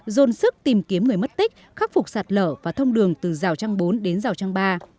dồn sức tìm kiếm người mất tích khắc phục sạt lở và thông đường từ rào trang bốn đến rào trang ba